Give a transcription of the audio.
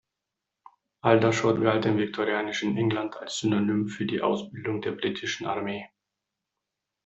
Aldershot galt im viktorianische England als Synonym für die Ausbildung der britischen Armee.